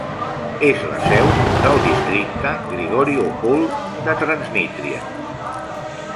És la seu del districte Grigoriopol de Transnistria.